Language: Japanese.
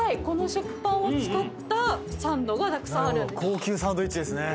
この食パンを使ったサンドがたくさんあるんです。